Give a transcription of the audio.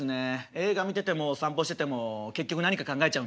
映画見てても散歩してても結局何か考えちゃうんで」。